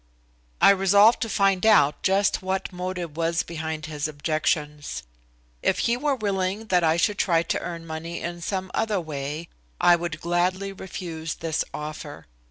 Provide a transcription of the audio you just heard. I resolved to find out just what motive was behind his objections. If he were willing that I should try to earn money in some other way I would gladly refuse this offer.